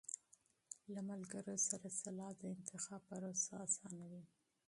له ملګرو سره مشوره د انتخاب پروسه آسانوي.